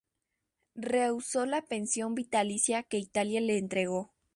Rehusó la pensión vitalicia que Italia le entregó.